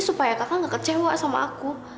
supaya kakak gak kecewa sama aku